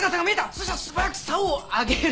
そしたら素早く竿を上げる。